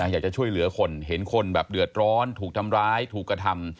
อยากจะช่วยเหลือคนเห็นคนแบบเดือดร้อนถูกทำร้ายถูกกระทำ